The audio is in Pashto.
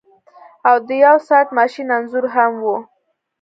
او د یو سلاټ ماشین انځور هم و